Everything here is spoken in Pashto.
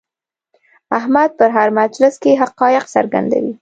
احمد په هر مجلس کې حقایق څرګندوي.